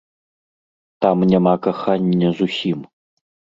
Там няма кахання зусім.